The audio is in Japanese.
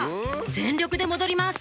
全力で戻ります